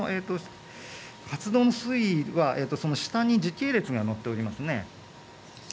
活動の推移は、下に時系列が載っています。